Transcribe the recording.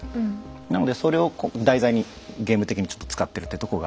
なのでそれをこう題材にゲーム的にちょっと使ってるってとこが。